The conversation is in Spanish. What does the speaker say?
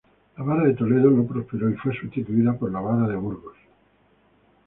La vara de Toledo no prosperó y fue sustituida por la vara de Burgos.